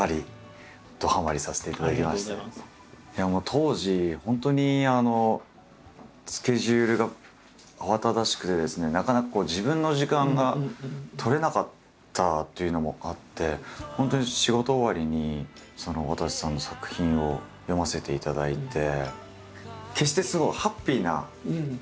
当時本当にスケジュールが慌ただしくてですねなかなか自分の時間が取れなかったというのもあって本当に仕事終わりにわたせさんの作品を読ませていただいて。